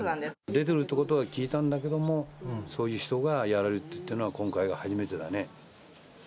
出てるってことは聞いたんだけれども、そういう人がやられるというのは、今回が初めてだね。